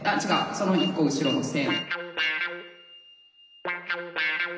その１個後ろの線。